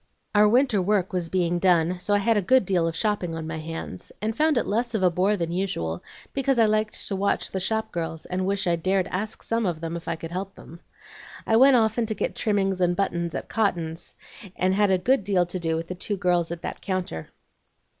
Our winter work was being done, so I had a good deal of shopping on my hands, and found it less a bore than usual, because I liked to watch the shop girls, and wish I dared ask some of them if I could help them. I went often to get trimmings and buttons at Cotton's, and had a good deal to do with the two girls at that counter.